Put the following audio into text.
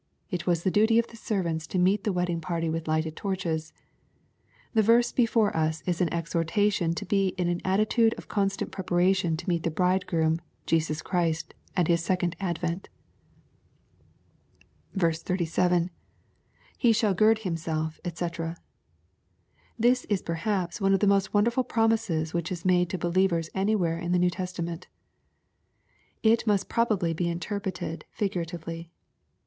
It was the duty of the servants to meet the wedding party with lighted torches. The verse before us is an exhortation to be in an attitude of con stant preparation to meet the bridegroom Jesus Christ at His sec ond advent 37. — [Be shall gird hvrnself^ &c^ This is perhaps one of the most wonderful promises which is made to believers anywhere in the New Testament It must probably be interpreted figuratively.